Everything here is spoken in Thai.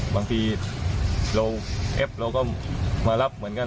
บางทีเราแอปเราก็มารับเหมือนกัน